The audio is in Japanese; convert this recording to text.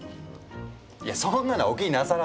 いやそんなのはお気になさらず。